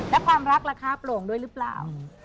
และความรักราคาโปร่งด้วยหรือเปล่า